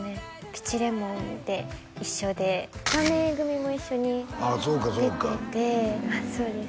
「ピチレモン」で一緒で「３年Ａ組」も一緒に出ててああそうかそうかあっそうです